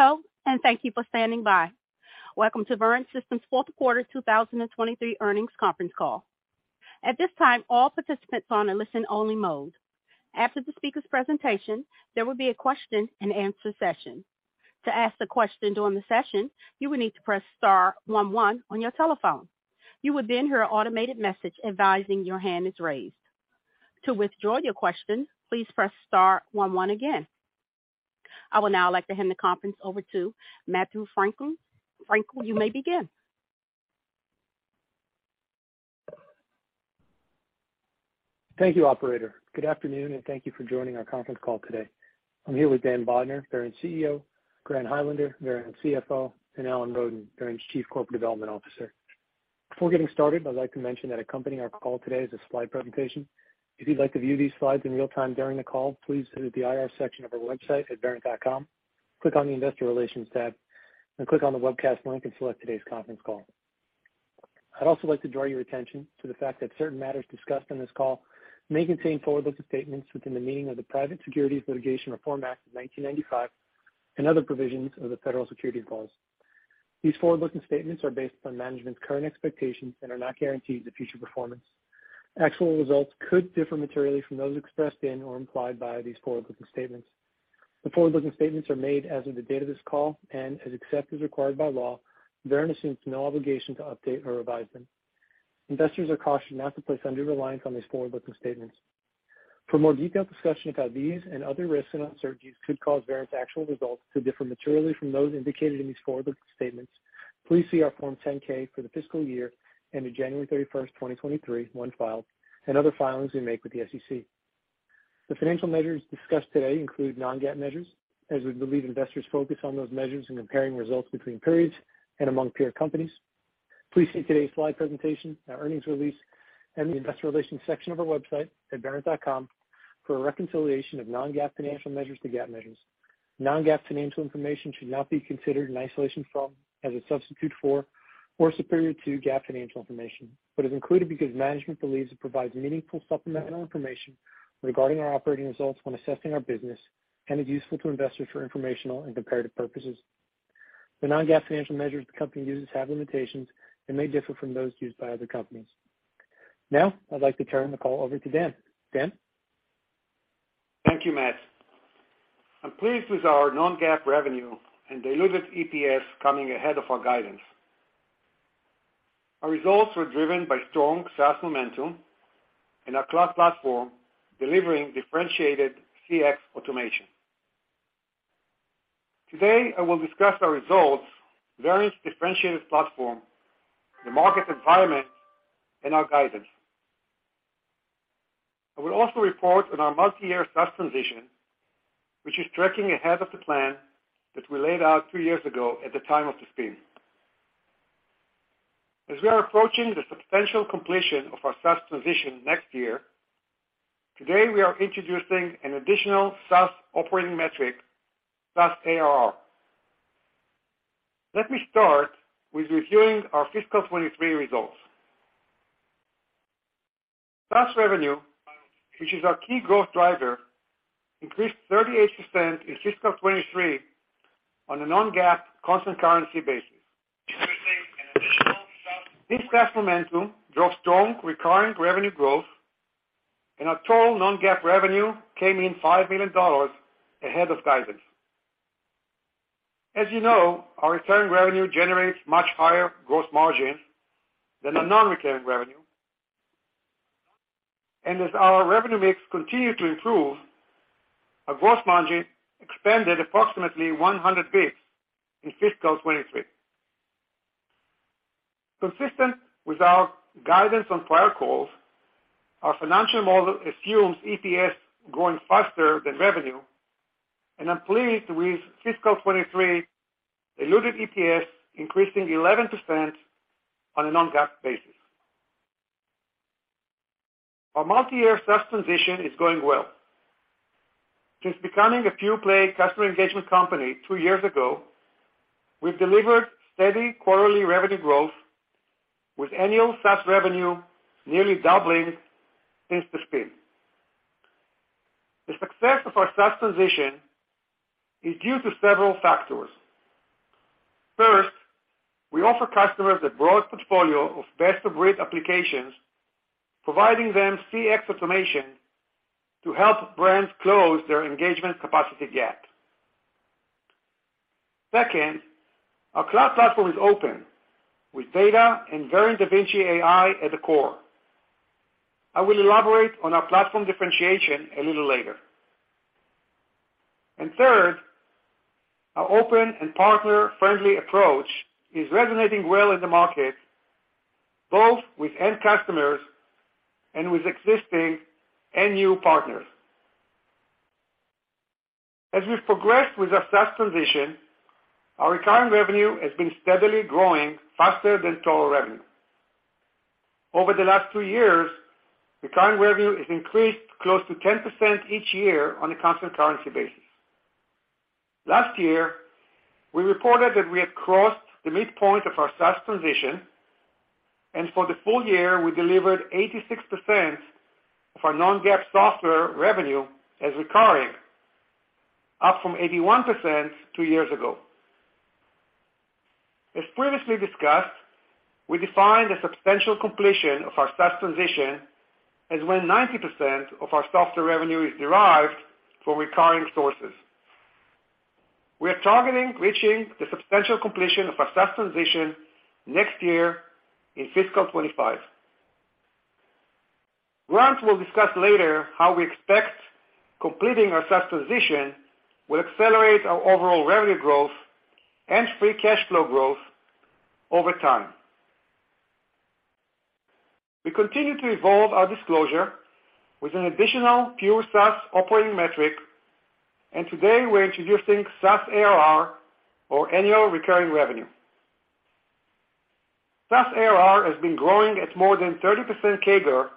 Hello, and thank you for standing by. Welcome to Verint Systems Q4 2023 earnings conference call. At this time, all participants are on a listen only mode. After the speaker's presentation, there will be a Q&A session. To ask the question during the session, you will need to press star one one on your telephone. You would then hear an automated message advising your hand is raised. To withdraw your question, please press star one one again. I will now like to hand the conference over to Matthew Frankel. Frankel, you may begin. Thank you, operator. Good afternoon. Thank you for joining our conference call today. I'm here with Dan Bodner, Verint CEO, Grant Highlander, Verint CFO, and Alan Roden, Verint's Chief Corporate Development Officer. Before getting started, I'd like to mention that accompanying our call today is a slide presentation. If you'd like to view these slides in real time during the call, please visit the IR section of our website at verint.com. Click on the Investor Relations tab, click on the webcast link and select today's conference call. I'd also like to draw your attention to the fact that certain matters discussed on this call may contain forward-looking statements within the meaning of the Private Securities Litigation Reform Act of 1995 and other provisions of the federal securities laws. These forward-looking statements are based on management's current expectations and are not guarantees of future performance. Actual results could differ materially from those expressed in or implied by these forward-looking statements. The forward-looking statements are made as of the date of this call except as required by law, Verint assumes no obligation to update or revise them. Investors are cautioned not to place undue reliance on these forward-looking statements. For more detailed discussion about these and other risks and uncertainties could cause Verint's actual results to differ materially from those indicated in these forward-looking statements, please see our Form 10-K for the fiscal year ended January 31, 2023 when filed and other filings we make with the SEC. The financial measures discussed today include non-GAAP measures as we believe investors focus on those measures in comparing results between periods and among peer companies. Please see today's slide presentation, our earnings release, and the investor relations section of our website at verint.com for a reconciliation of non-GAAP financial measures to GAAP measures. Non-GAAP financial information should not be considered in isolation from, as a substitute for, or superior to GAAP financial information, but is included because management believes it provides meaningful supplemental information regarding our operating results when assessing our business and is useful to investors for informational and comparative purposes. The non-GAAP financial measures the company uses have limitations and may differ from those used by other companies. Now, I'd like to turn the call over to Dan. Dan? Thank you, Matt. I'm pleased with our non-GAAP revenue and diluted EPS coming ahead of our guidance. Our results were driven by strong SaaS momentum and our cloud platform delivering differentiated CX automation. Today, I will discuss our results, Verint's differentiated platform, the market environment, and our guidance. I will also report on our multi-year SaaS transition, which is tracking ahead of the plan that we laid out two years ago at the time of the spin. As we are approaching the substantial completion of our SaaS transition next year, today we are introducing an additional SaaS operating metric, SaaS ARR. Let me start with reviewing our fiscal 23 results. SaaS revenue, which is our key growth driver, increased 38% in fiscal 23 on a non-GAAP constant currency basis. This SaaS momentum drove strong recurring revenue growth. Our total non-GAAP revenue came in $5 million ahead of guidance. As you know, our recurring revenue generates much higher gross margin than the non-recurring revenue. As our revenue mix continued to improve, our gross margin expanded approximately 100 basis points in fiscal 2023. Consistent with our guidance on prior calls, our financial model assumes EPS growing faster than revenue, and I'm pleased with fiscal 2023 diluted EPS increasing 11% on a non-GAAP basis. Our multi-year SaaS transition is going well. Since becoming a pure-play customer engagement company two years ago, we've delivered steady quarterly revenue growth with annual SaaS revenue nearly doubling since the spin. The success of our SaaS transition is due to several factors. First, we offer customers a broad portfolio of best-of-breed applications, providing them CX automation to help brands close their engagement capacity gap. Second, our cloud platform is open with data and Verint DaVinci AI at the core. I will elaborate on our platform differentiation a little later. Third, our open and partner-friendly approach is resonating well in the market, both with end customers and with existing and new partners. As we've progressed with our SaaS transition, our recurring revenue has been steadily growing faster than total revenue. Over the last two years, recurring revenue has increased close to 10% each year on a constant currency basis. Last year, we reported that we had crossed the midpoint of our SaaS transition. For the full year, we delivered 86% of our non-GAAP software revenue as recurring, up from 81% two years ago. As previously discussed, we define the substantial completion of our SaaS transition as when 90% of our software revenue is derived from recurring sources. We are targeting reaching the substantial completion of our SaaS transition next year in fiscal 25. Grant will discuss later how we expect completing our SaaS transition will accelerate our overall revenue growth and free cash flow growth over time. We continue to evolve our disclosure with an additional pure SaaS operating metric. Today we're introducing SaaS ARR or annual recurring revenue. SaaS ARR has been growing at more than 30% CAGR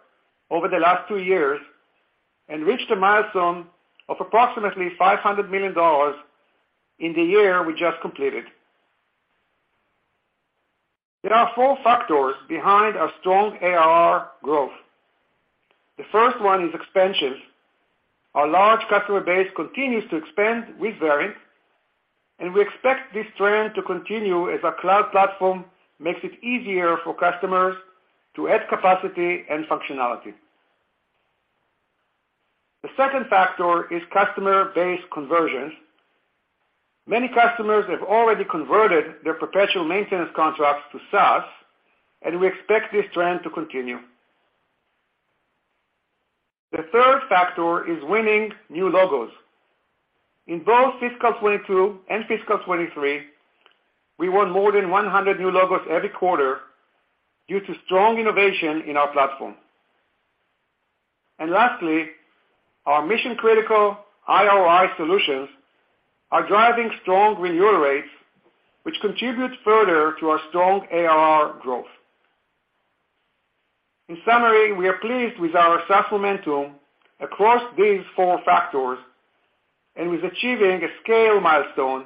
over the last two years and reached a milestone of approximately $500 million in the year we just completed. There are four factors behind our strong ARR growth. The first one is expansions. Our large customer base continues to expand with Verint, we expect this trend to continue as our cloud platform makes it easier for customers to add capacity and functionality. The second factor is customer base conversions. Many customers have already converted their perpetual maintenance contracts to SaaS, we expect this trend to continue. The third factor is winning new logos. In both fiscal 22 and fiscal 23, we won more than 100 new logos every quarter due to strong innovation in our platform. Lastly, our mission-critical IOI solutions are driving strong renewal rates, which contributes further to our strong ARR growth. In summary, we are pleased with our SaaS momentum across these four factors and with achieving a scale milestone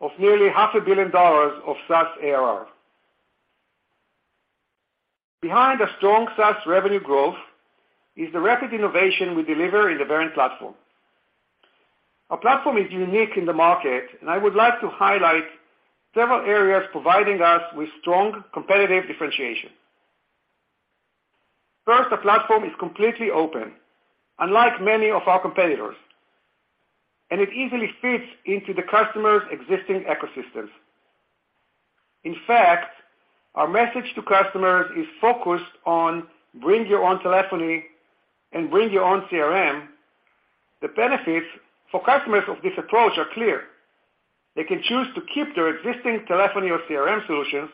of nearly half a billion dollars of SaaS ARR. Behind a strong SaaS revenue growth is the rapid innovation we deliver in the Verint platform. Our platform is unique in the market, and I would like to highlight several areas providing us with strong competitive differentiation. First, the platform is completely open, unlike many of our competitors, and it easily fits into the customer's existing ecosystems. In fact, our message to customers is focused on bring your own telephony and bring your own CRM. The benefits for customers of this approach are clear. They can choose to keep their existing telephony or CRM solutions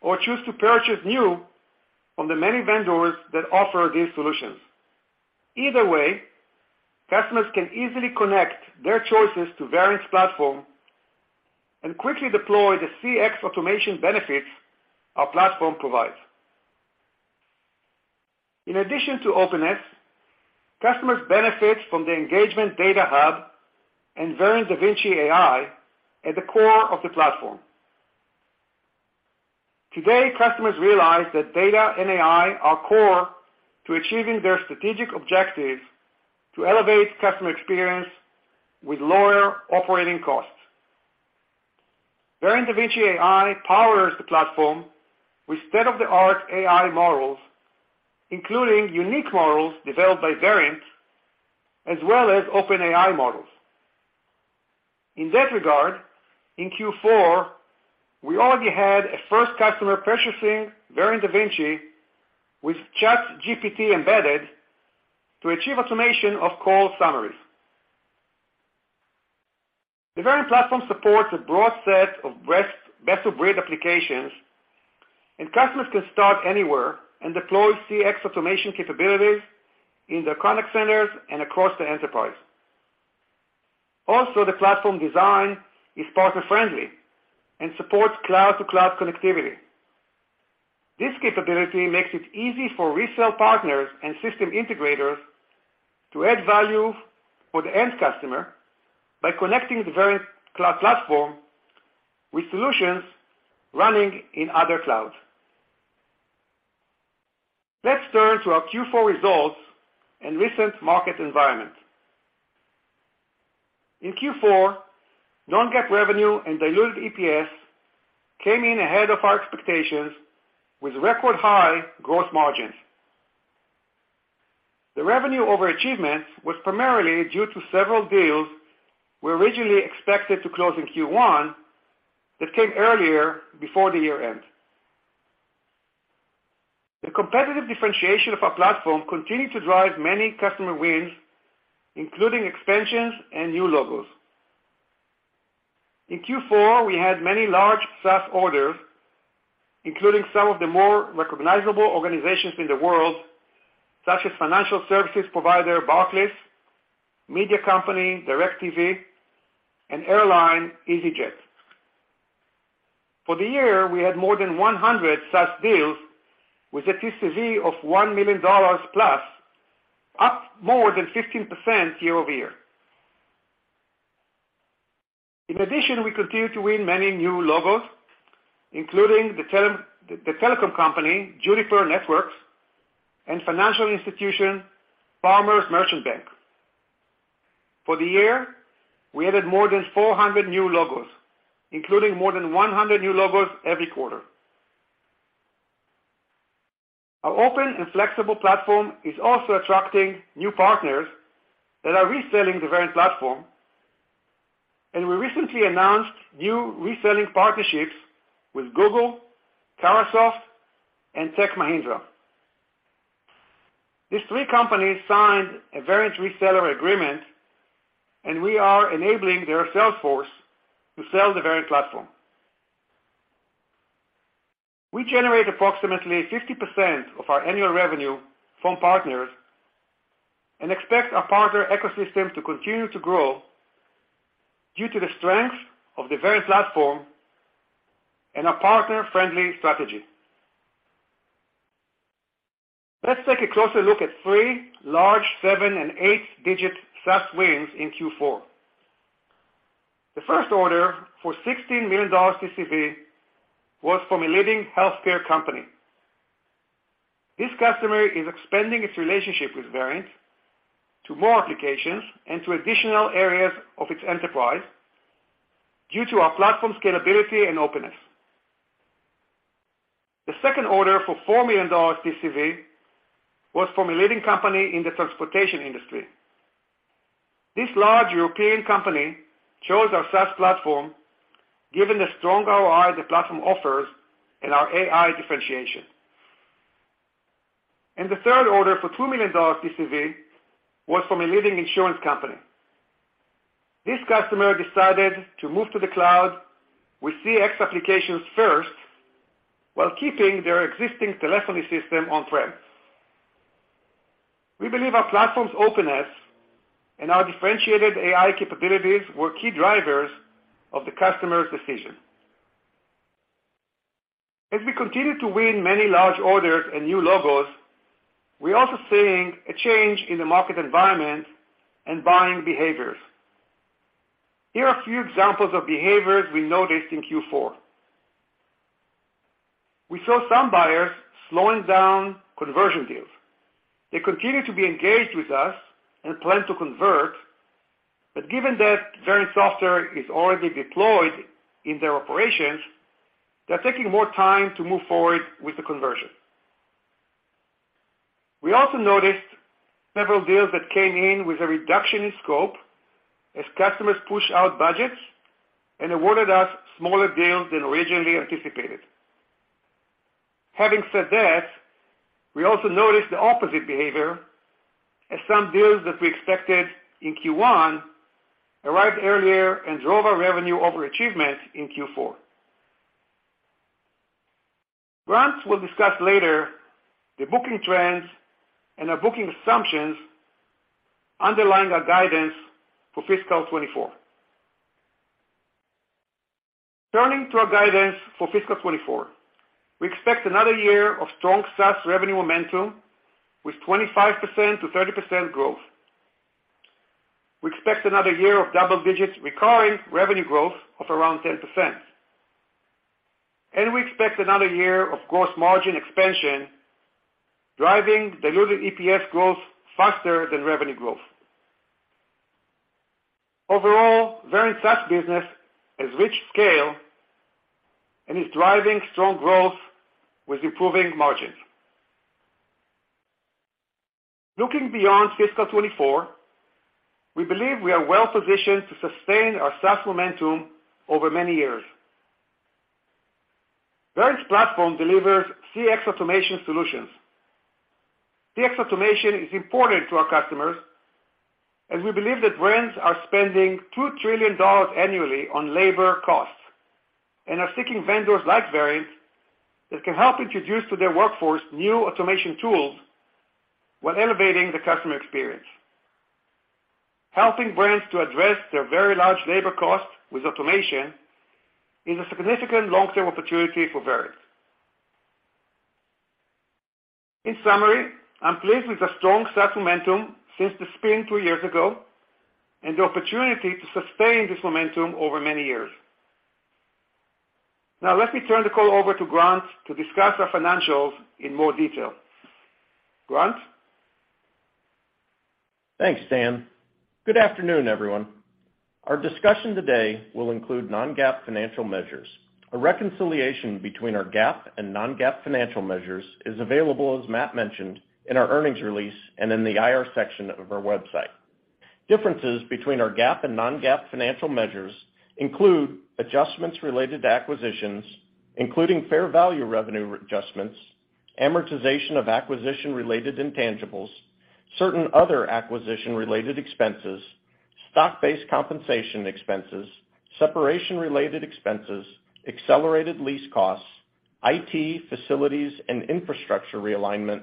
or choose to purchase new from the many vendors that offer these solutions. Either way, customers can easily connect their choices to Verint's platform and quickly deploy the CX automation benefits our platform provides. In addition to OpenX, customers benefit from the Engagement Data Hub and Verint DaVinci AI at the core of the platform. Today, customers realize that data and AI are core to achieving their strategic objectives to elevate customer experience with lower operating costs. Verint DaVinci AI powers the platform with state-of-the-art AI models, including unique models developed by Verint, as well as OpenAI models. In that regard, in Q4, we already had a first customer purchasing Verint DaVinci with ChatGPT embedded to achieve automation of call summaries. The Verint platform supports a broad set of best-of-breed applications, and customers can start anywhere and deploy CX automation capabilities in their contact centers and across the enterprise. Also, the platform design is partner-friendly and supports cloud-to-cloud connectivity. This capability makes it easy for resale partners and system integrators to add value for the end customer by connecting the Verint cloud platform with solutions running in other clouds. Let's turn to our Q4 results and recent market environment. In Q4, non-GAAP revenue and diluted EPS came in ahead of our expectations with record-high gross margins. The revenue over achievements was primarily due to several deals we originally expected to close in Q1 that came earlier before the year-end. The competitive differentiation of our platform continued to drive many customer wins, including expansions and new logos. In Q4, we had many large SaaS orders, including some of the more recognizable organizations in the world, such as financial services provider Barclays, media company DirecTV, and airline easyJet. For the year, we had more than 100 SaaS deals with a TCV of $1+ million, up more than 15% year-over-year. In addition, we continue to win many new logos, including the telecom company, Juniper Networks, and financial institution, Farmers Merchant Bank. For the year, we added more than 400 new logos, including more than 100 new logos every quarter. Our open and flexible platform is also attracting new partners that are reselling the Verint platform, and we recently announced new reselling partnerships with Google, Carahsoft, and Tech Mahindra. These three companies signed a Verint reseller agreement, and we are enabling their sales force to sell the Verint platform. We generate approximately 50% of our annual revenue from partners and expect our partner ecosystem to continue to grow due to the strength of the Verint platform and our partner-friendly strategy. Let's take a closer look at three large seven and eight digit SaaS wins in Q4. The first order for $16 million TCV was from a leading healthcare company. This customer is expanding its relationship with Verint to more applications and to additional areas of its enterprise due to our platform scalability and openness. The second order for $4 million TCV was from a leading company in the transportation industry. This large European company chose our SaaS platform given the strong ROI the platform offers and our AI differentiation. The third order for $2 million TCV was from a leading insurance company. This customer decided to move to the cloud with CX applications first, while keeping their existing telephony system on-prem. We believe our platform's openness and our differentiated AI capabilities were key drivers of the customer's decision. We continue to win many large orders and new logos, we're also seeing a change in the market environment and buying behaviors. Here are a few examples of behaviors we noticed in Q4. We saw some buyers slowing down conversion deals. They continue to be engaged with us and plan to convert. Given that Verint software is already deployed in their operations, they're taking more time to move forward with the conversion. We also noticed several deals that came in with a reduction in scope as customers push out budgets and awarded us smaller deals than originally anticipated. We also noticed the opposite behavior as some deals that we expected in Q1 arrived earlier and drove our revenue over achievements in Q4. Grant will discuss later the booking trends and our booking assumptions underlying our guidance for fiscal 2024. Turning to our guidance for fiscal 2024, we expect another year of strong SaaS revenue momentum with 25%-30% growth. We expect another year of double digits recurring revenue growth of around 10%. We expect another year of gross margin expansion, driving diluted EPS growth faster than revenue growth. Overall, Verint SaaS business has reached scale and is driving strong growth with improving margins. Looking beyond fiscal 2024, we believe we are well positioned to sustain our SaaS momentum over many years. Verint's platform delivers CX automation solutions. CX automation is important to our customers as we believe that brands are spending $2 trillion annually on labor costs, and are seeking vendors like Verint that can help introduce to their workforce new automation tools while elevating the customer experience. Helping brands to address their very large labor cost with automation is a significant long-term opportunity for Verint. In summary, I'm pleased with the strong SaaS momentum since the spin two years ago and the opportunity to sustain this momentum over many years. Let me turn the call over to Grant to discuss our financials in more detail. Grant? Thanks, Dan. Good afternoon, everyone. Our discussion today will include non-GAAP financial measures. A reconciliation between our GAAP and non-GAAP financial measures is available, as Matt mentioned, in our earnings release and in the IR section of our website. Differences between our GAAP and non-GAAP financial measures include adjustments related to acquisitions, including fair value revenue adjustments, amortization of acquisition-related intangibles, certain other acquisition-related expenses, stock-based compensation expenses, separation-related expenses, accelerated lease costs, IT, facilities, and infrastructure realignment,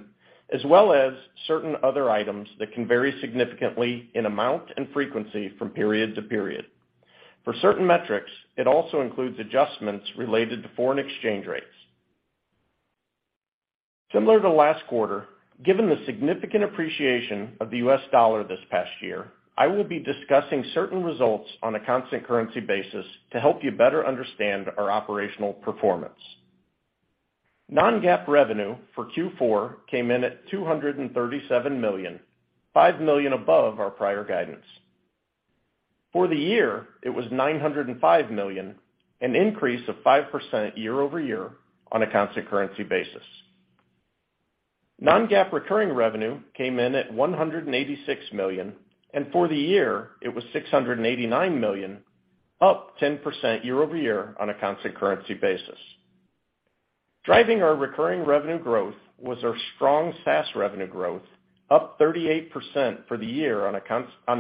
as well as certain other items that can vary significantly in amount and frequency from period to period. For certain metrics, it also includes adjustments related to foreign exchange rates. Similar to last quarter, given the significant appreciation of the US dollar this past year, I will be discussing certain results on a constant currency basis to help you better understand our operational performance. Non-GAAP revenue for Q4 came in at $237 million, $5 million above our prior guidance. For the year, it was $905 million, an increase of 5% year-over-year on a constant currency basis. Non-GAAP recurring revenue came in at $186 million, and for the year it was $689 million, up 10% year-over-year on a constant currency basis. Driving our recurring revenue growth was our strong SaaS revenue growth, up 38% for the year on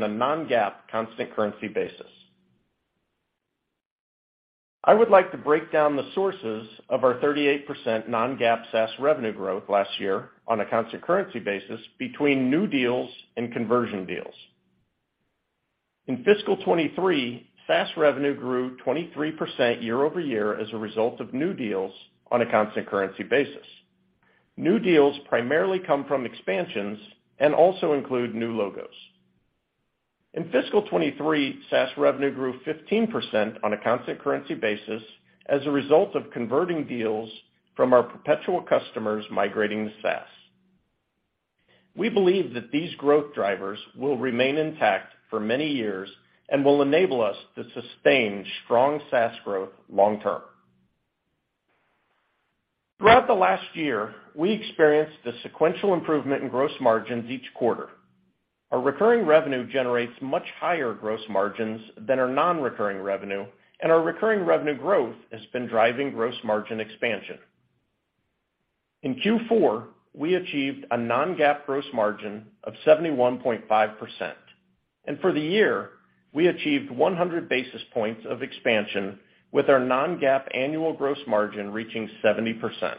a non-GAAP constant currency basis. I would like to break down the sources of our 38% non-GAAP SaaS revenue growth last year on a constant currency basis between new deals and conversion deals. In fiscal 2023, SaaS revenue grew 23% year-over-year as a result of new deals on a constant currency basis. New deals primarily come from expansions and also include new logos. In fiscal 2023, SaaS revenue grew 15% on a constant currency basis as a result of converting deals from our perpetual customers migrating to SaaS. We believe that these growth drivers will remain intact for many years and will enable us to sustain strong SaaS growth long term. Throughout the last year, we experienced a sequential improvement in gross margins each quarter. Our recurring revenue generates much higher gross margins than our non-recurring revenue, and our recurring revenue growth has been driving gross margin expansion. In Q4, we achieved a non-GAAP gross margin of 71.5%. For the year we achieved 100 basis points of expansion with our non-GAAP annual gross margin reaching 70%.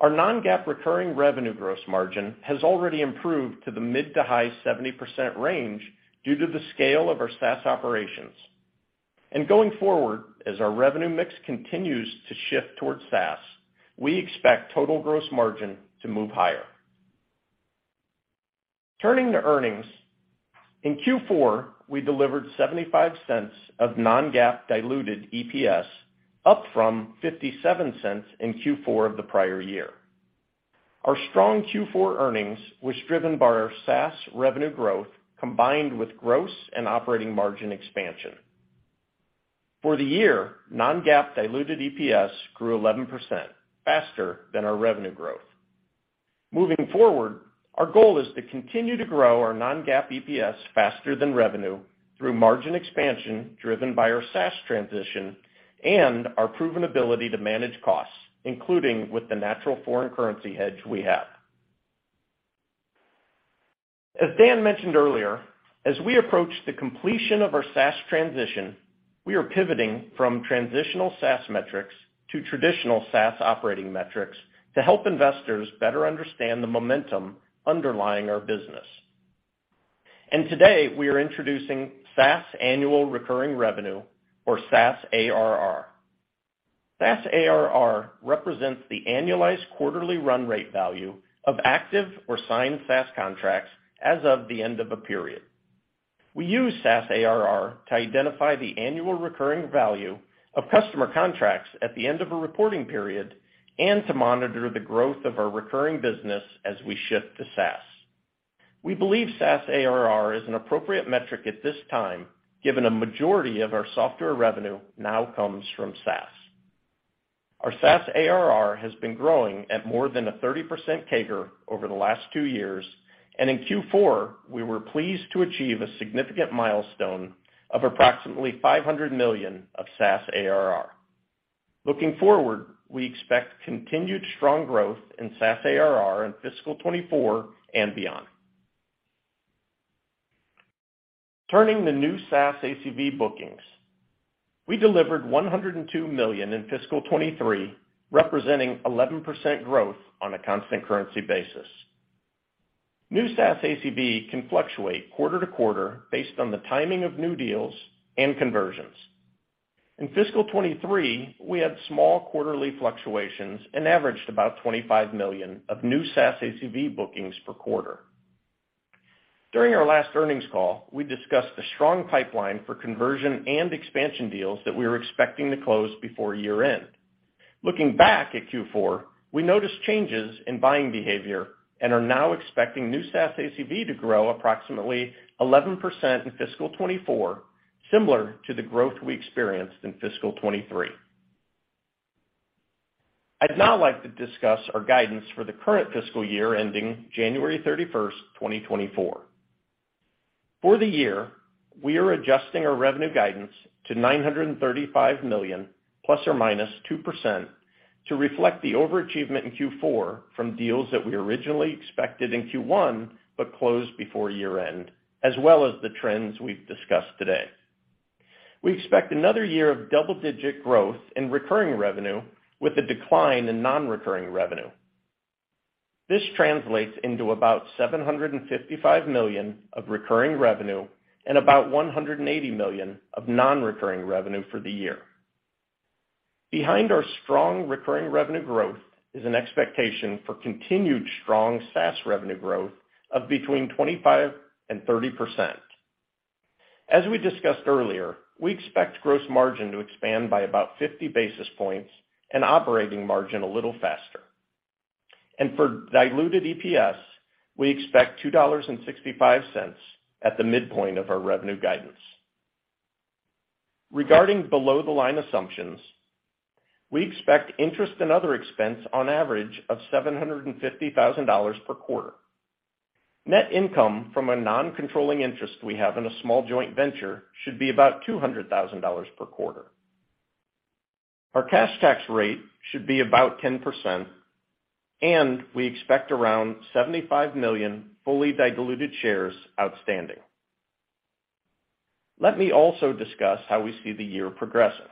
Our non-GAAP recurring revenue gross margin has already improved to the mid to high 70% range due to the scale of our SaaS operations. Going forward, as our revenue mix continues to shift towards SaaS, we expect total gross margin to move higher. Turning to earnings, in Q4, we delivered $0.75 of non-GAAP diluted EPS, up from $0.57 in Q4 of the prior year. Our strong Q4 earnings was driven by our SaaS revenue growth, combined with gross and operating margin expansion. For the year, non-GAAP diluted EPS grew 11% faster than our revenue growth. Moving forward, our goal is to continue to grow our non-GAAP EPS faster than revenue through margin expansion driven by our SaaS transition and our proven ability to manage costs, including with the natural foreign currency hedge we have. As Dan mentioned earlier, as we approach the completion of our SaaS transition, we are pivoting from transitional SaaS metrics to traditional SaaS operating metrics to help investors better understand the momentum underlying our business. Today, we are introducing SaaS annual recurring revenue or SaaS ARR. SaaS ARR represents the annualized quarterly run rate value of active or signed SaaS contracts as of the end of a period. We use SaaS ARR to identify the annual recurring value of customer contracts at the end of a reporting period and to monitor the growth of our recurring business as we shift to SaaS. We believe SaaS ARR is an appropriate metric at this time, given a majority of our software revenue now comes from SaaS. Our SaaS ARR has been growing at more than a 30% CAGR over the last two years, and in Q4 we were pleased to achieve a significant milestone of approximately $500 million of SaaS ARR. Looking forward, we expect continued strong growth in SaaS ARR in fiscal 2024 and beyond. Turning to new SaaS ACV bookings, we delivered $102 million in fiscal 2023, representing 11% growth on a constant currency basis. New SaaS ACV can fluctuate quarter to quarter based on the timing of new deals and conversions. In fiscal 2023, we had small quarterly fluctuations and averaged about $25 million of new SaaS ACV bookings per quarter. During our last earnings call, we discussed the strong pipeline for conversion and expansion deals that we were expecting to close before year-end. Looking back at Q4, we noticed changes in buying behavior and are now expecting new SaaS ACV to grow approximately 11% in fiscal 2024, similar to the growth we experienced in fiscal 2023. I'd now like to discuss our guidance for the current fiscal year ending January 31st, 2024. For the year, we are adjusting our revenue guidance to $935 million ±2% to reflect the overachievement in Q4 from deals that we originally expected in Q1 but closed before year-end, as well as the trends we've discussed today. We expect another year of double-digit growth in recurring revenue with a decline in non-recurring revenue. This translates into about $755 million of recurring revenue and about $180 million of non-recurring revenue for the year. Behind our strong recurring revenue growth is an expectation for continued strong SaaS revenue growth of between 25% and 30%. As we discussed earlier, we expect gross margin to expand by about 50 basis points and operating margin a little faster. For diluted EPS, we expect $2.65 at the midpoint of our revenue guidance. Regarding below-the-line assumptions, we expect interest and other expense on average of $750,000 per quarter. Net income from a non-controlling interest we have in a small joint venture should be about $200,000 per quarter. Our cash tax rate should be about 10%, and we expect around 75 million fully diluted shares outstanding. Let me also discuss how we see the year progressing.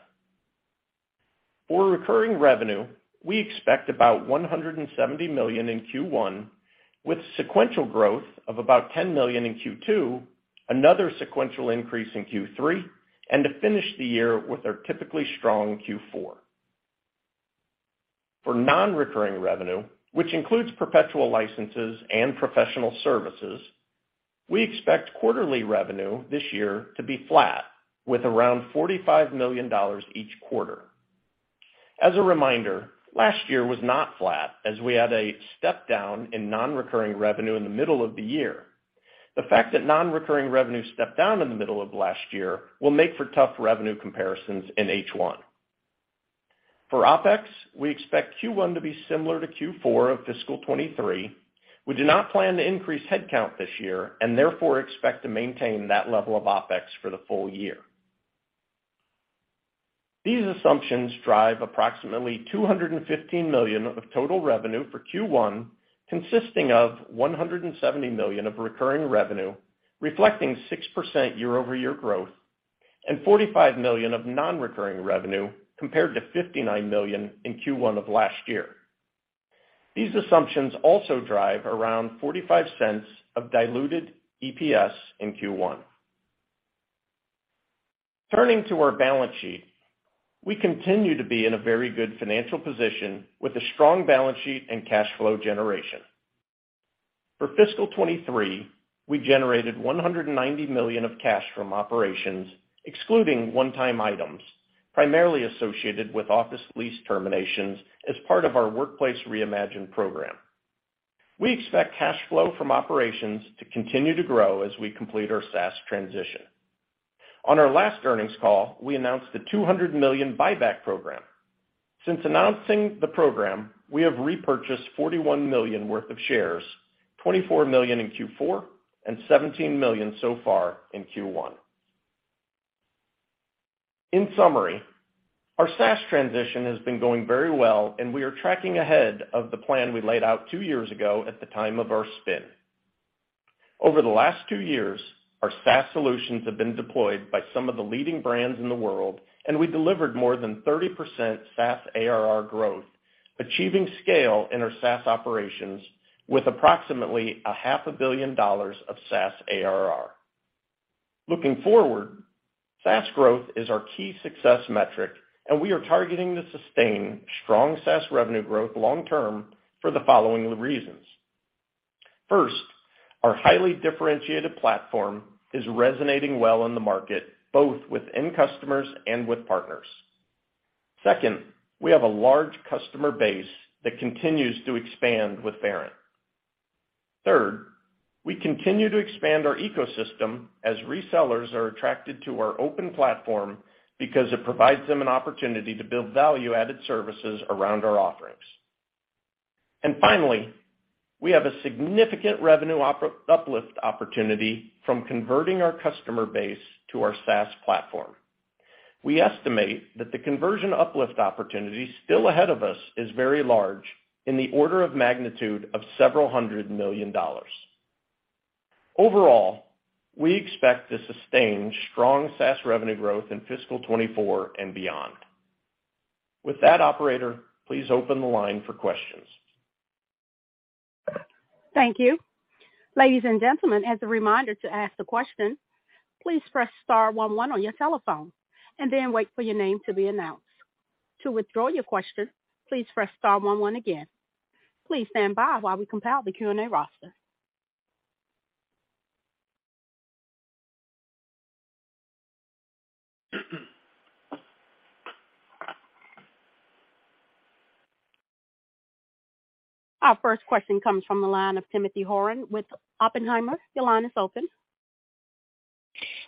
For recurring revenue, we expect about $170 million in Q1, with sequential growth of about $10 million in Q2, another sequential increase in Q3, and to finish the year with our typically strong Q4. For non-recurring revenue, which includes perpetual licenses and professional services, we expect quarterly revenue this year to be flat with around $45 million each quarter. As a reminder, last year was not flat as we had a step down in non-recurring revenue in the middle of the year. The fact that non-recurring revenue stepped down in the middle of last year will make for tough revenue comparisons in H1. For OpEx, we expect Q1 to be similar to Q4 of fiscal 2023. We do not plan to increase headcount this year and therefore expect to maintain that level of OpEx for the full year. These assumptions drive approximately $215 million of total revenue for Q1, consisting of $170 million of recurring revenue, reflecting 6% year-over-year growth, and $45 million of non-recurring revenue compared to $59 million in Q1 of last year. These assumptions also drive around $0.45 of diluted EPS in Q1. Turning to our balance sheet, we continue to be in a very good financial position with a strong balance sheet and cash flow generation. For fiscal '23, we generated $190 million of cash from operations, excluding one-time items, primarily associated with office lease terminations as part of our Workplace Reimagined program. We expect cash flow from operations to continue to grow as we complete our SaaS transition. On our last earnings call, we announced the $200 million buyback program. Since announcing the program, we have repurchased $41 million worth of shares, $24 million in Q4 and $17 million so far in Q1. In summary, our SaaS transition has been going very well, and we are tracking ahead of the plan we laid out two years ago at the time of our spin. Over the last two years, our SaaS solutions have been deployed by some of the leading brands in the world, and we delivered more than 30% SaaS ARR growth, achieving scale in our SaaS operations with approximately a half a billion dollars of SaaS ARR. Looking forward, SaaS growth is our key success metric, and we are targeting to sustain strong SaaS revenue growth long term for the following reasons. First, our highly differentiated platform is resonating well in the market, both within customers and with partners. Second, we have a large customer base that continues to expand with Verint. Third, we continue to expand our ecosystem as resellers are attracted to our open platform because it provides them an opportunity to build value-added services around our offerings. Finally, we have a significant revenue uplift opportunity from converting our customer base to our SaaS platform. We estimate that the conversion uplift opportunity still ahead of us is very large in the order of magnitude of several hundred million dollars. Overall, we expect to sustain strong SaaS revenue growth in fiscal 2024 and beyond. With that, operator, please open the line for questions. Thank you. Ladies and gentlemen, as a reminder to ask the question, please press star one one on your telephone and then wait for your name to be announced. To withdraw your question, please press star one one again. Please stand by while we compile the Q&A roster. Our first question comes from the line of Timothy Horan with Oppenheimer. Your line is open.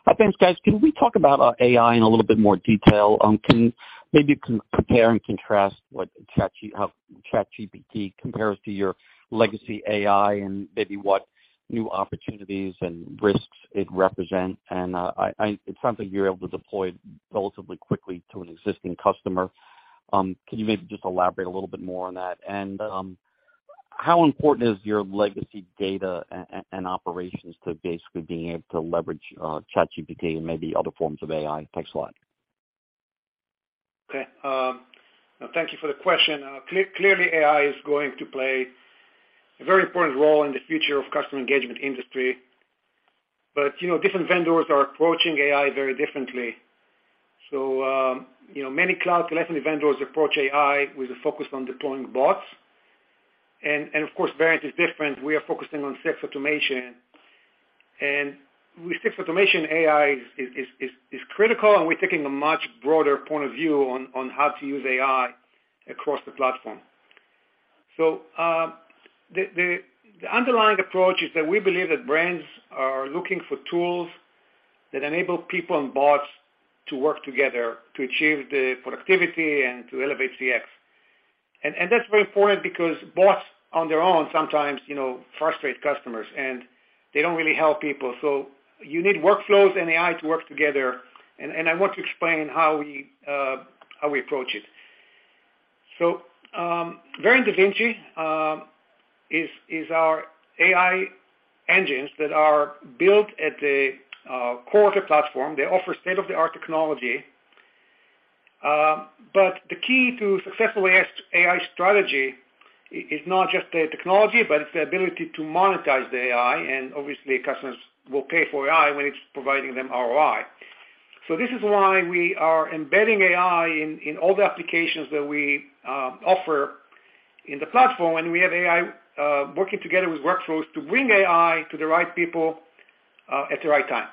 Hi, thanks guys. Can we talk about AI in a little bit more detail? Can maybe compare and contrast what ChatGPT, how ChatGPT compares to your legacy AI and maybe what new opportunities and risks it represents? I it sounds like you're able to deploy relatively quickly to an existing customer. Can you maybe just elaborate a little bit more on that? How important is your legacy data and operations to basically being able to leverage ChatGPT and maybe other forms of AI? Thanks a lot. Thank you for the question. Clearly AI is going to play a very important role in the future of customer engagement industry, but, you know, different vendors are approaching AI very differently. You know, many cloud telephony vendors approach AI with a focus on deploying bots and of course, Verint is different. We are focusing on CX automation. With CX automation, AI is critical, and we're taking a much broader point of view on how to use AI across the platform. The underlying approach is that we believe that brands are looking for tools that enable people and bots to work together to achieve the productivity and to elevate CX. That's very important because bots on their own sometimes, you know, frustrate customers, and they don't really help people. You need workflows and AI to work together, and I want to explain how we approach it. Verint DaVinci is our AI engines that are built at the core of the platform. They offer state-of-the-art technology. The key to successful AI strategy is not just the technology, but it's the ability to monetize the AI, and obviously customers will pay for AI when it's providing them ROI. This is why we are embedding AI in all the applications that we offer in the platform, and we have AI working together with workflows to bring AI to the right people at the right time.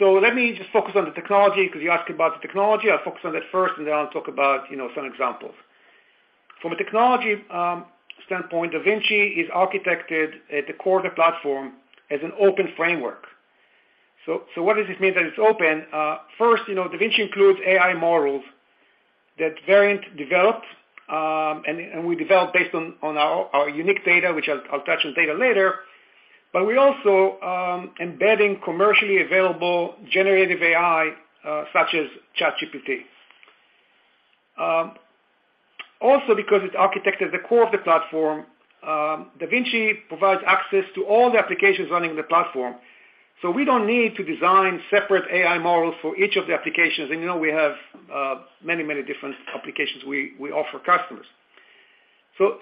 Let me just focus on the technology because you asked about the technology. I'll focus on that first, and then I'll talk about, you know, some examples. From a technology standpoint, DaVinci is architected at the core of the platform as an open framework. What does this mean that it's open? First, you know, DaVinci includes AI models that Verint developed, and we developed based on our unique data, which I'll touch on data later. We're also embedding commercially available generative AI, such as ChatGPT. Also because it's architected at the core of the platform, DaVinci provides access to all the applications running the platform. We don't need to design separate AI models for each of the applications, and you know we have many different applications we offer customers.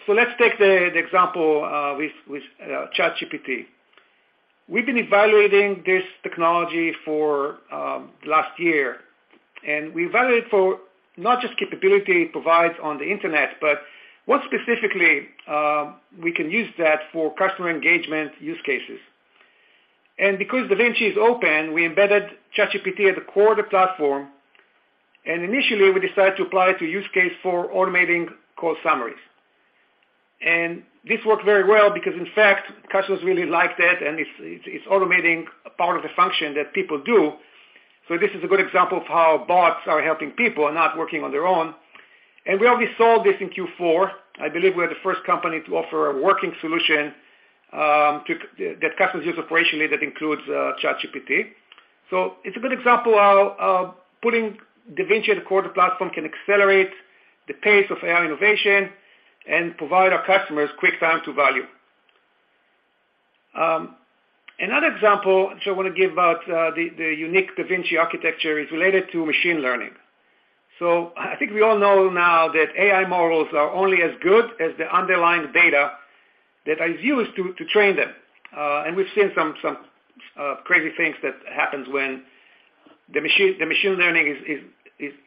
Let's take the example with ChatGPT. We've been evaluating this technology for the last year, and we evaluate for not just capability it provides on the Internet, but what specifically we can use that for customer engagement use cases. Because DaVinci is open, we embedded ChatGPT at the core of the platform, and initially, we decided to apply it to use case for automating call summaries. This worked very well because in fact, customers really like that and it's automating a part of the function that people do. This is a good example of how bots are helping people and not working on their own. We already sold this in Q4. I believe we're the first company to offer a working solution to that customers use operationally that includes ChatGPT. It's a good example how putting DaVinci at the core of the platform can accelerate the pace of AI innovation and provide our customers quick time to value. Another example which I wanna give about the unique DaVinci architecture is related to machine learning. I think we all know now that AI models are only as good as the underlying data that is used to train them. We've seen some crazy things that happens when the machine learning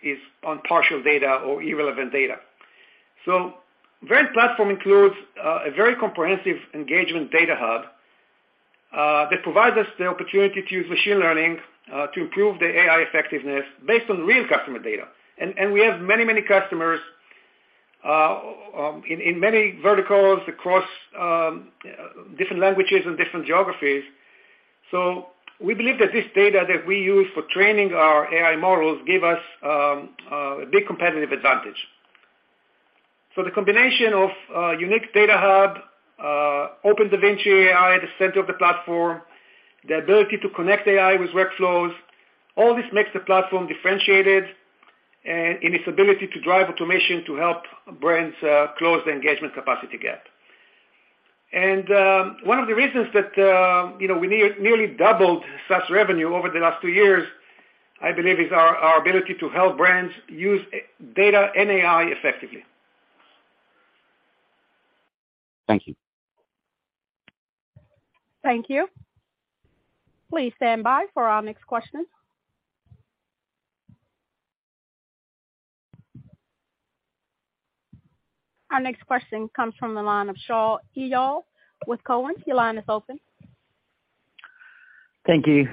is on partial data or irrelevant data. Verint platform includes a very comprehensive Engagement Data Hub that provides us the opportunity to use machine learning to improve the AI effectiveness based on real customer data. We have many customers in many verticals across different languages and different geographies. We believe that this data that we use for training our AI models give us a big competitive advantage. The combination of a unique data hub, open DaVinci AI at the center of the platform, the ability to connect AI with workflows, all this makes the platform differentiated in its ability to drive automation to help brands close the engagement capacity gap. One of the reasons that, you know, we nearly doubled SaaS revenue over the last two years, I believe, is our ability to help brands use data and AI effectively. Thank you. Thank you. Please stand by for our next question. Our next question comes from the line of Shaul Eyal with Cowen. Your line is open. Thank you.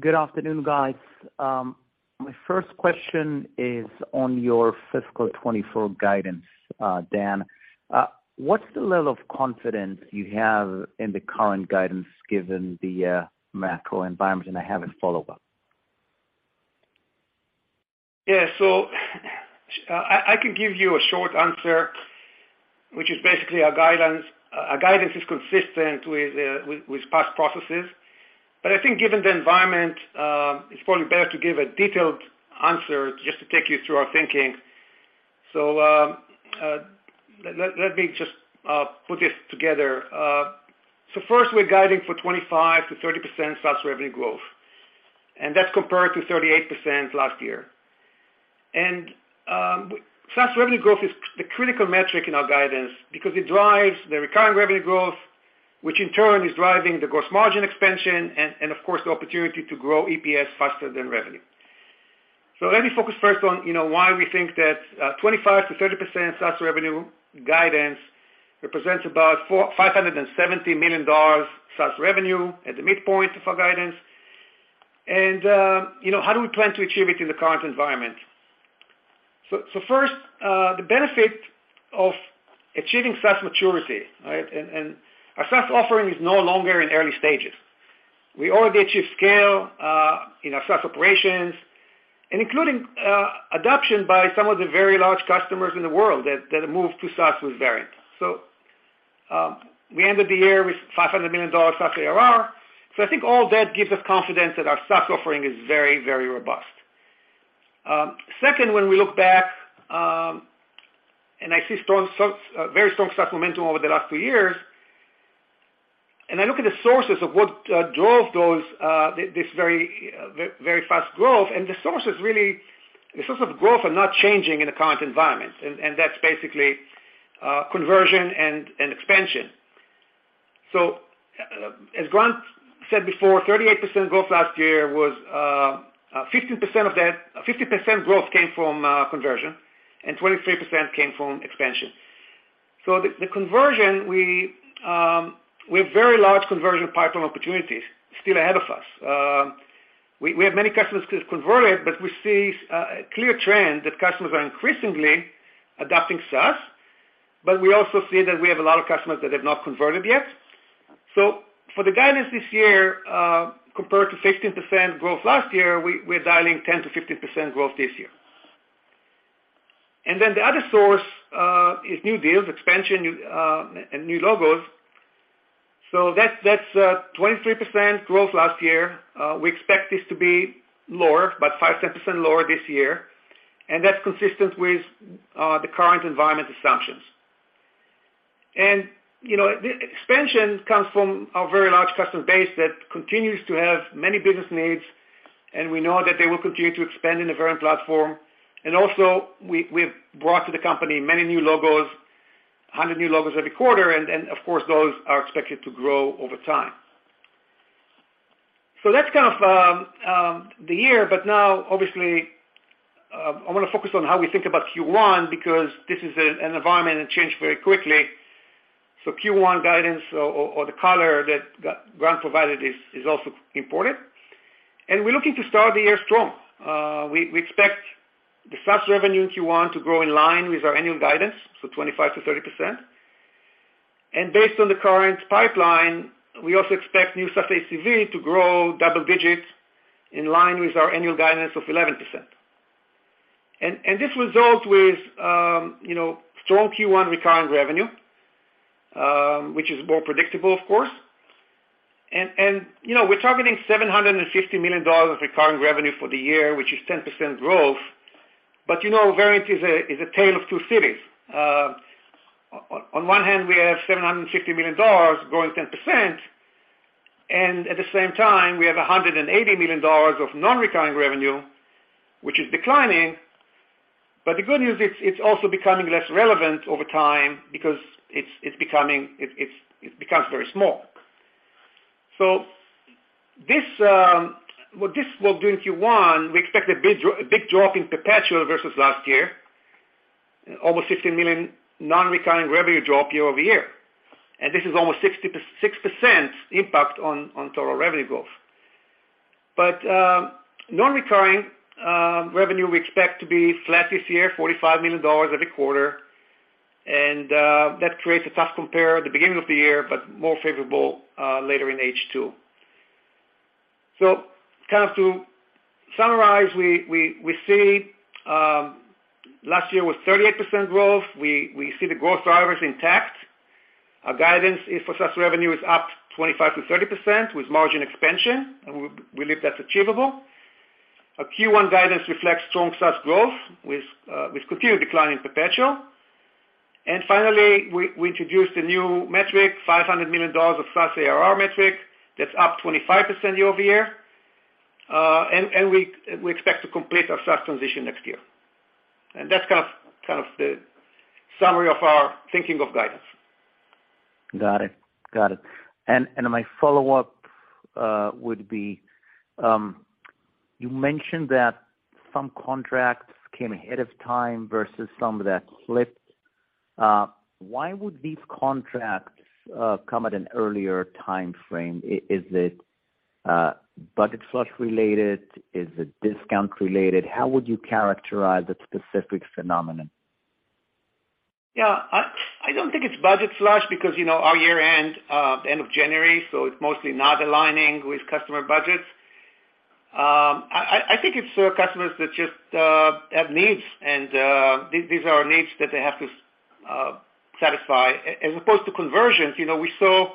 Good afternoon, guys. My first question is on your fiscal 2024 guidance, Dan. What's the level of confidence you have in the current guidance given the macro environment, and I have a follow-up? Yeah. I can give you a short answer, which is basically our guidance is consistent with past processes. I think given the environment, it's probably better to give a detailed answer just to take you through our thinking. So, let me just put this together. First, we're guiding for 25%-30% SaaS revenue growth, and that's compared to 38% last year. SaaS revenue growth is the critical metric in our guidance because it drives the recurring revenue growth, which in turn is driving the gross margin expansion and, of course, the opportunity to grow EPS faster than revenue. Let me focus first on, you know, why we think that 25%-30% SaaS revenue guidance represents about $570 million SaaS revenue at the midpoint of our guidance. How do we plan to achieve it in the current environment? First, the benefit of achieving SaaS maturity, right? Our SaaS offering is no longer in early stages. We already achieve scale in our SaaS operations, and including adoption by some of the very large customers in the world that have moved to SaaS with Verint. We ended the year with $500 million SaaS ARR. I think all that gives us confidence that our SaaS offering is very robust. Second, when we look back, I see very strong SaaS momentum over the last two years. I look at the sources of what drove this very fast growth, and the sources of growth are not changing in the current environment, and that's basically conversion and expansion. As Grant said before, 38% growth last year, 50% growth came from conversion, and 23% came from expansion. The conversion, we have very large conversion pipeline opportunities still ahead of us. We have many customers converted, but we see a clear trend that customers are increasingly adapting SaaS, but we also see that we have a lot of customers that have not converted yet. For the guidance this year, compared to 15% growth last year, we're dialing 10%-15% growth this year. The other source is new deals, expansion, and new logos. That's 23% growth last year. We expect this to be lower, about 5%-10% lower this year, and that's consistent with the current environment assumptions. You know, the expansion comes from our very large customer base that continues to have many business needs, and we know that they will continue to expand in the Verint platform. Also, we've brought to the company many new logos, 100 new logos every quarter, and then, of course, those are expected to grow over time. That's kind of the year. Now, obviously, I want to focus on how we think about Q1 because this is an environment that changed very quickly. Q1 guidance or the color that Grant provided is also important. We're looking to start the year strong. We expect the SaaS revenue in Q1 to grow in line with our annual guidance, so 25%-30%. Based on the current pipeline, we also expect new SaaS ACV to grow double digits in line with our annual guidance of 11%. This results with, you know, strong Q1 recurring revenue, which is more predictable, of course. You know, we're targeting $750 million of recurring revenue for the year, which is 10% growth. You know, Verint is a tale of two cities. On one hand, we have $750 million growing 10%, at the same time, we have $180 million of non-recurring revenue, which is declining. The good news, it's also becoming less relevant over time because it's becoming it becomes very small. This, what this will do in Q1, we expect a big drop in perpetual versus last year. Almost $16 million non-recurring revenue drop year-over-year. This is almost 6% impact on total revenue growth. Non-recurring revenue, we expect to be flat this year, $45 million every quarter. That creates a tough compare at the beginning of the year, but more favorable later in H2. Kind of to summarize, we see, last year was 38% growth. We see the growth drivers intact. Our guidance is for SaaS revenue is up 25%-30% with margin expansion, and we believe that's achievable. Our Q1 guidance reflects strong SaaS growth with continued decline in perpetual. Finally, we introduced a new metric, $500 million of SaaS ARR metric. That's up 25% year-over-year. And we expect to complete our SaaS transition next year. That's kind of the summary of our thinking of guidance. Got it. My follow-up would be, you mentioned that some contracts came ahead of time versus some that slipped. Why would these contracts come at an earlier timeframe? Is it budget flush related? Is it discount related? How would you characterize that specific phenomenon? Yeah. I don't think it's budget flush because, you know, our year-end end of January, so it's mostly not aligning with customer budgets. I, I think it's the customers that just have needs and these are needs that they have to satisfy. As opposed to conversions, you know, we saw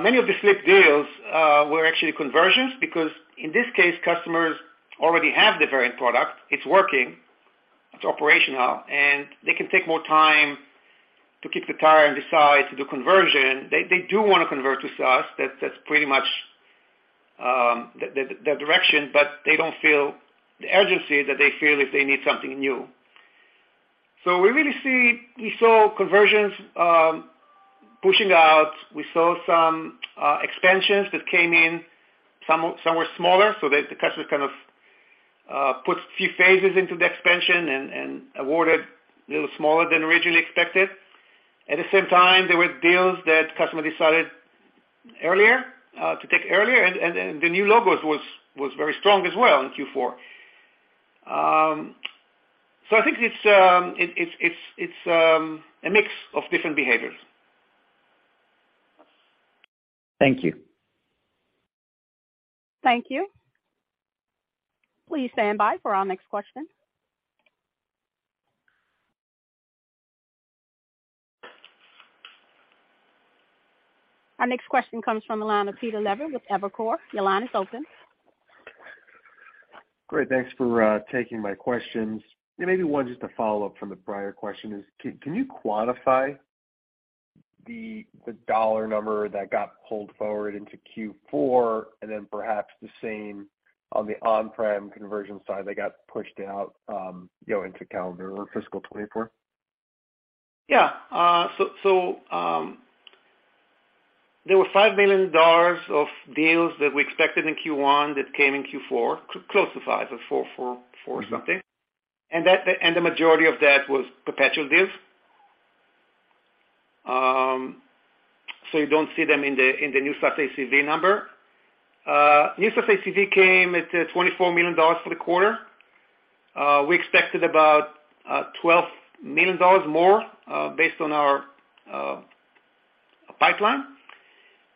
many of the slipped deals were actually conversions because in this case, customers already have the Verint product. It's working, it's operational, and they can take more time to keep the tire and decide to do conversion. They, they do wanna convert to SaaS. That's, that's pretty much the, the direction, but they don't feel the urgency that they feel if they need something new. We really saw conversions pushing out. We saw some expansions that came in. Some were smaller, so that the customer kind of puts few phases into the expansion and awarded a little smaller than originally expected. At the same time, there were deals that customer decided earlier to take earlier, and the new logos was very strong as well in Q4. I think it's a mix of different behaviors. Thank you. Thank you. Please stand by for our next question. Our next question comes from the line of Peter Levine with Evercore. Your line is open. Great. Thanks for taking my questions. Yeah, maybe one just to follow up from the prior question is, can you quantify the dollar number that got pulled forward into Q4 and then perhaps the same on the on-prem conversion side that got pushed out, you know, into calendar or fiscal 24? Yeah. So, there were $5 million of deals that we expected in Q1 that came in Q4. Close to 5 or 4 something. And the majority of that was perpetual deals. So you don't see them in the new SaaS ACV number. New SaaS ACV came at $24 million for the quarter. We expected about $12 million more based on our pipeline.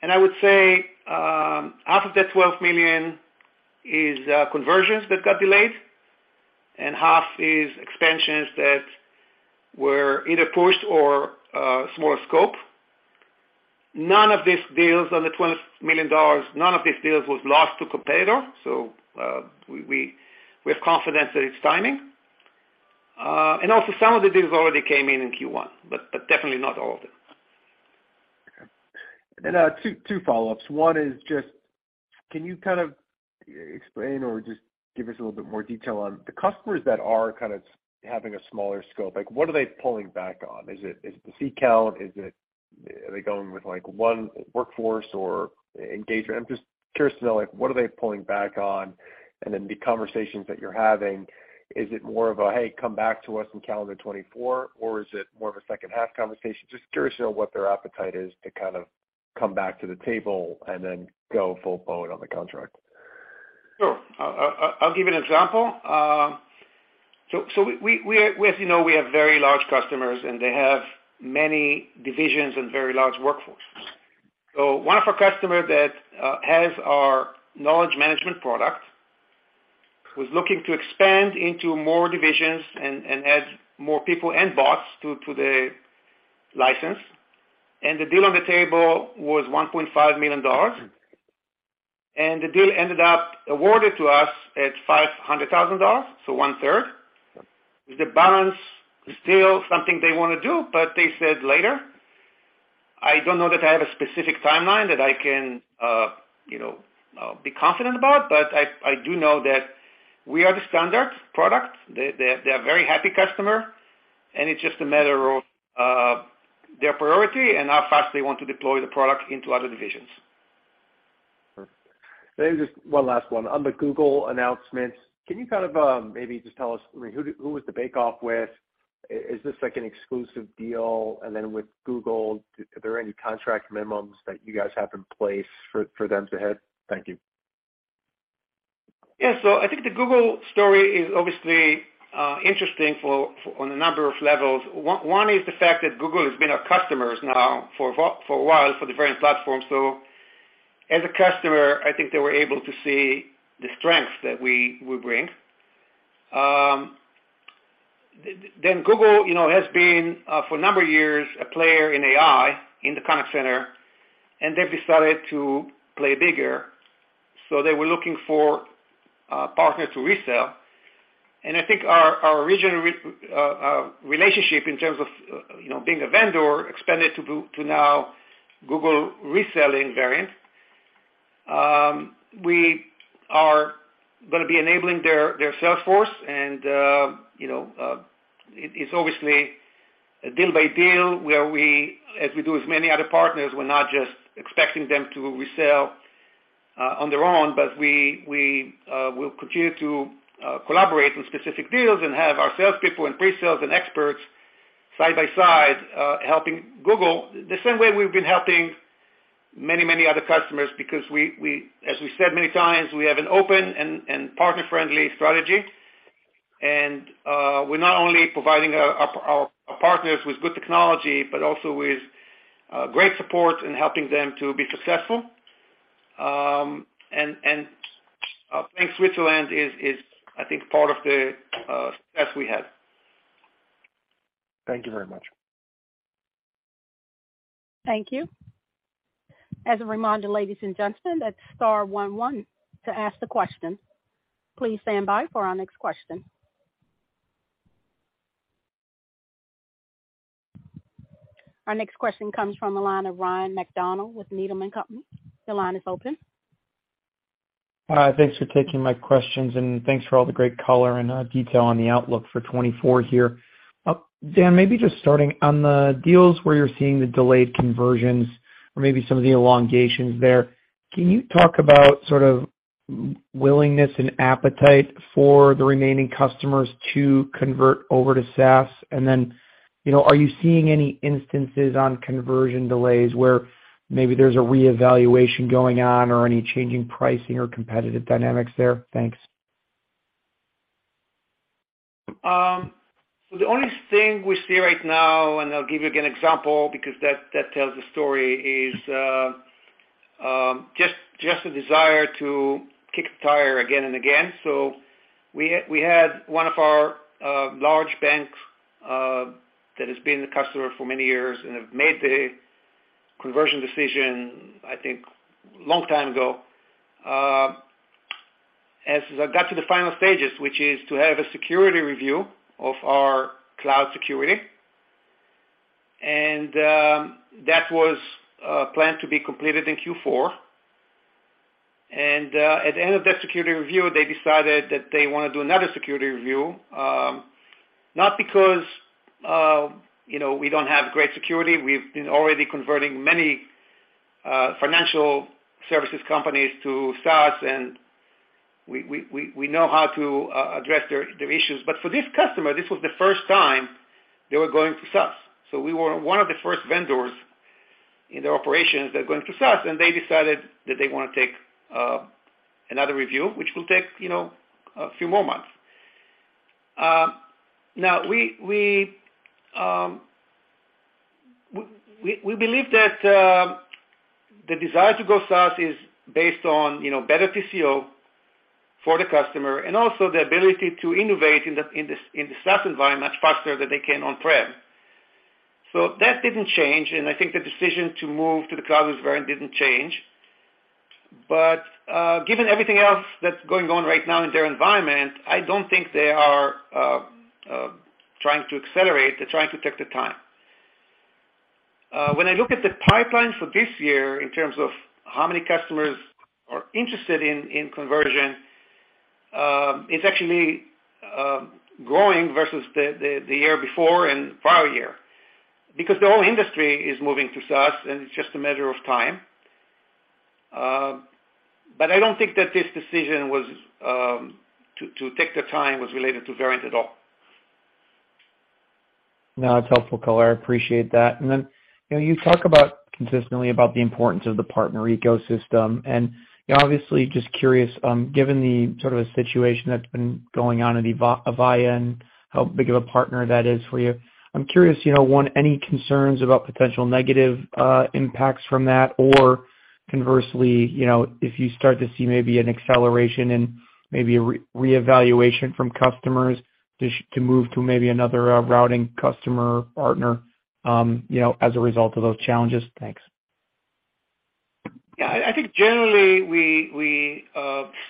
I would say half of that $12 million is conversions that got delayed, and half is expansions that were either pushed or smaller scope. None of these deals on the $12 million, none of these deals was lost to competitor. We have confidence that it's timing. Also some of the deals already came in in Q1, but definitely not all of them. Okay. Two follow-ups. One is just, can you kind of explain or just give us a little bit more detail on the customers that are kind of having a smaller scope? Like, what are they pulling back on? Is it the seat count? Is it, are they going with like one workforce or engagement? I'm just curious to know, like, what are they pulling back on? The conversations that you're having, is it more of a, "Hey, come back to us in calendar 2024," or is it more of a H2 conversation? Just curious to know what their appetite is to kind of come back to the table and then go full boat on the contract. Sure. I'll give you an example. We, as you know, we have very large customers and they have many divisions and very large workforces. One of our customers that has our knowledge management product was looking to expand into more divisions and add more people and bots to the license. The deal on the table was $1.5 million, and the deal ended up awarded to us at $500,000, so one-third. The balance is still something they wanna do. They said later. I don't know that I have a specific timeline that I can, you know, be confident about. I do know that we are the standard product. They are very happy customer. It's just a matter of their priority and how fast they want to deploy the product into other divisions. Maybe just one last one. On the Google announcements, can you kind of, maybe just tell us who was the bake-off with? Is this like an exclusive deal? With Google, are there any contract minimums that you guys have in place for them to hit? Thank you. I think the Google story is obviously interesting for, on a number of levels. One is the fact that Google has been our customers now for a, for a while for the Verint platform. As a customer, I think they were able to see the strengths that we bring. Google, you know, has been for a number of years, a player in AI in the contact center, and they've decided to play bigger. They were looking for a partner to resell. I think our original relationship in terms of, you know, being a vendor expanded to now Google reselling Verint. We are gonna be enabling their sales force and, you know, it is obviously a deal by deal where we, as we do with many other partners, we're not just expecting them to resell on their own, but we will continue to collaborate on specific deals and have our sales people and pre-sales and experts side by side helping Google the same way we've been helping many other customers because we, as we said many times, we have an open and partner-friendly strategy. We're not only providing our partners with good technology, but also with great support in helping them to be successful. And playing Switzerland is I think part of the success we have. Thank you very much. Thank you. As a reminder, ladies and gentlemen, that's star one one to ask the question. Please stand by for our next question. Our next question comes from the line of Ryan MacDonald with Needham & Company. Your line is open. Hi. Thanks for taking my questions. Thanks for all the great color and detail on the outlook for 2024 here. Dan, maybe just starting on the deals where you're seeing the delayed conversions or maybe some of the elongations there. Can you talk about sort of willingness and appetite for the remaining customers to convert over to SaaS? Then, you know, are you seeing any instances on conversion delays where maybe there's a reevaluation going on or any changing pricing or competitive dynamics there? Thanks. The only thing we see right now, and I'll give you an example because that tells the story, is just a desire to kick the tire again and again. We had one of our large banks that has been the customer for many years and have made the conversion decision, I think, long time ago. As I got to the final stages, which is to have a security review of our cloud security, that was planned to be completed in Q4. At the end of that security review, they decided that they want to do another security review, not because, you know, we don't have great security. We've been already converting many financial services companies to SaaS, and we know how to address their issues. For this customer, this was the first time they were going to SaaS. We were one of the first vendors in their operations, they're going to SaaS, and they decided that they want to take another review, which will take, you know, a few more months. Now we believe that the desire to go SaaS is based on, you know, better TCO for the customer and also the ability to innovate in the, in the, in the SaaS environment much faster than they can on-prem. That didn't change, and I think the decision to move to the cloud with Verint didn't change. Given everything else that's going on right now in their environment, I don't think they are trying to accelerate. They're trying to take the time. When I look at the pipeline for this year in terms of how many customers are interested in conversion, it's actually growing versus the year before and prior year because the whole industry is moving to SaaS, and it's just a matter of time. I don't think that this decision was to take the time was related to Verint at all. No, it's helpful color. I appreciate that. You know, you talk about consistently about the importance of the partner ecosystem. You know, obviously, just curious, given the sort of a situation that's been going on in the Avaya how big of a partner that is for you. I'm curious, you know, one, any concerns about potential negative impacts from that, or conversely, you know, if you start to see maybe an acceleration and maybe a re-reevaluation from customers to move to maybe another routing customer partner, you know, as a result of those challenges? Thanks. Yeah. I think generally, we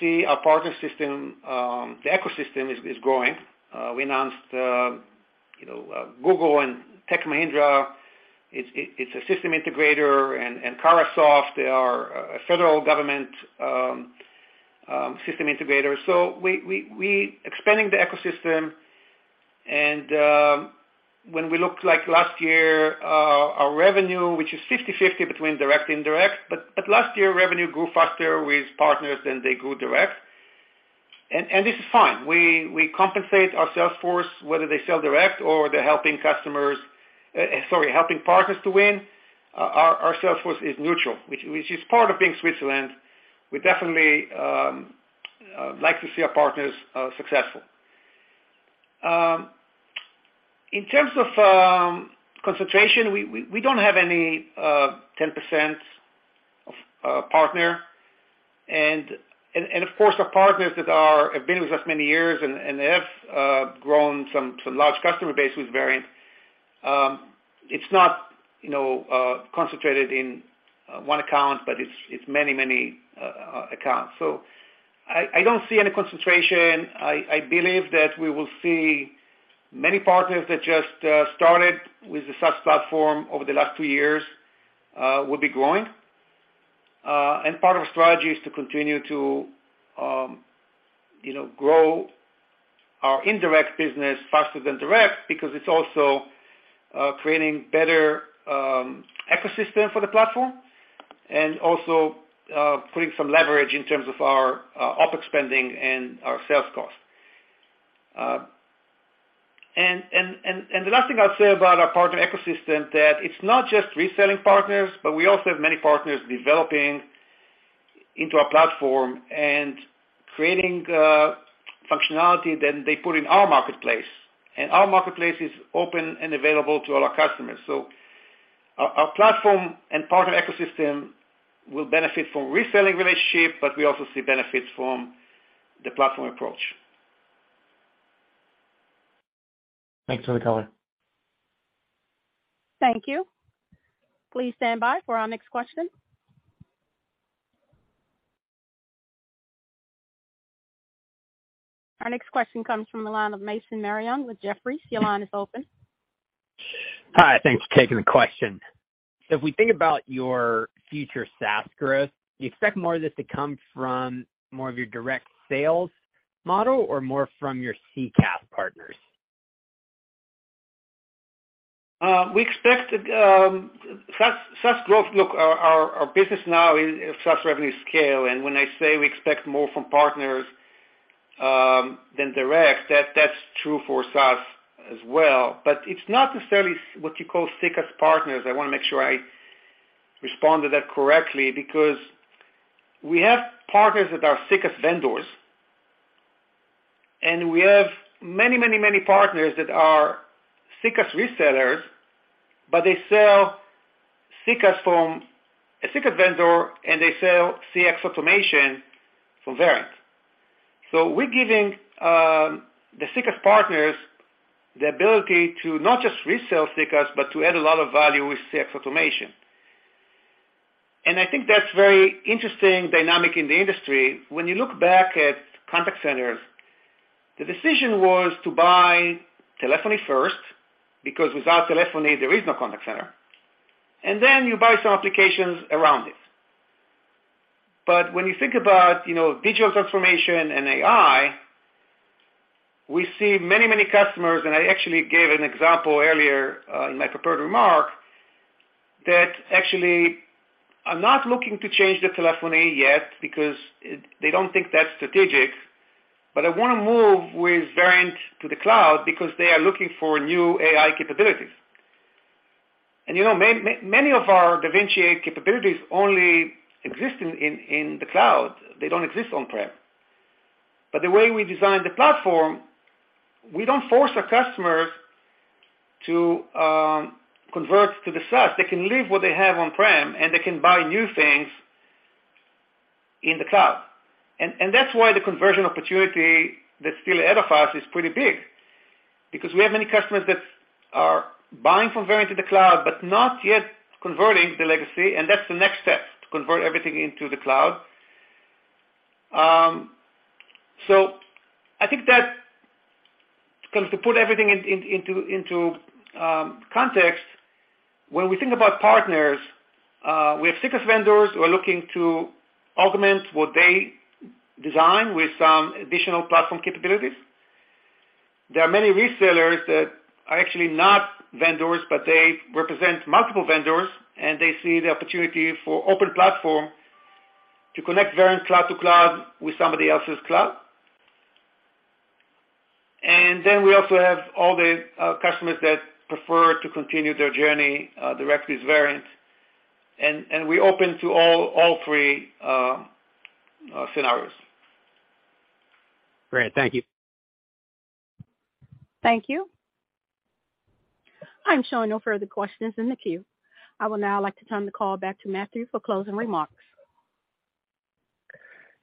see our partner system, the ecosystem is growing. We announced, you know, Google and Tech Mahindra. It's a system integrator and Carahsoft, they are a federal government system integrator. We expanding the ecosystem and when we look like last year, our revenue, which is 50/50 between direct, indirect, but last year revenue grew faster with partners than they grew direct. This is fine. We compensate our sales force, whether they sell direct or they're helping customers, sorry, helping partners to win. Our sales force is neutral, which is part of being Switzerland. We definitely like to see our partners successful. In terms of concentration, we don't have any 10% of partner. Of course, our partners have been with us many years and they have grown some large customer base with Verint. It's not, you know, concentrated in one account, but it's many, many accounts. I don't see any concentration. I believe that we will see many partners that just started with the SaaS platform over the last two years will be growing. Part of our strategy is to continue to, you know, grow our indirect business faster than direct because it's also creating better ecosystem for the platform and also putting some leverage in terms of our OpEx spending and our sales cost. The last thing I'll say about our partner ecosystem, that it's not just reselling partners, but we also have many partners developing into our platform and creating functionality that they put in our marketplace. Our marketplace is open and available to all our customers. Our platform and partner ecosystem will benefit from reselling relationship, but we also see benefits from the platform approach. Thanks for the color. Thank you. Please stand by for our next question. Our next question comes from the line of Mason Marion with Jefferies. Your line is open. Hi. Thanks for taking the question. If we think about your future SaaS growth, do you expect more of this to come from more of your direct sales model or more from your CCaaS partners? We expect SaaS growth. Look, our business now is SaaS revenue scale. When I say we expect more from partners than direct, that's true for SaaS as well. It's not necessarily what you call CCaaS partners. I wanna make sure I respond to that correctly because we have partners that are CCaaS vendors, and we have many, many, many partners that are CCaaS resellers, but they sell CCaaS from a CCaaS vendor, and they sell CX automation from Verint. We're giving the CCaaS partners the ability to not just resell CCaaS, but to add a lot of value with CX automation. I think that's very interesting dynamic in the industry. When you look back at contact centers, the decision was to buy telephony first because without telephony, there is no contact center. Then you buy some applications around it. When you think about, you know, digital transformation and AI, we see many, many customers, and I actually gave an example earlier in my prepared remark, that actually are not looking to change the telephony yet because they don't think that's strategic. They wanna move with Verint to the cloud because they are looking for new AI capabilities. You know, many of our DaVinci capabilities only exist in the cloud. They don't exist on-prem. The way we design the platform, we don't force our customers to convert to the SaaS. They can leave what they have on-prem, and they can buy new things in the cloud. That's why the conversion opportunity that's still ahead of us is pretty big because we have many customers that are buying from Verint to the cloud, but not yet converting the legacy, and that's the next step, to convert everything into the cloud. I think that comes to put everything in context. When we think about partners, we have CCaaS vendors who are looking to augment what they design with some additional platform capabilities. There are many resellers that are actually not vendors, but they represent multiple vendors, and they see the opportunity for Open Platform to connect Verint cloud to cloud with somebody else's cloud. We also have all the customers that prefer to continue their journey directly with Verint. We're open to all three scenarios. Great. Thank you. Thank you. I'm showing no further questions in the queue. I would now like to turn the call back to Matthew for closing remarks.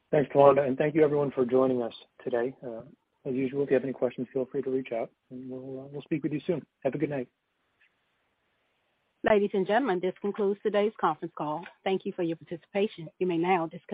Thanks, Florida, and thank you everyone for joining us today. As usual, if you have any questions, feel free to reach out, and we'll speak with you soon. Have a good night. Ladies and gentlemen, this concludes today's conference call. Thank you for your participation. You may now disconnect.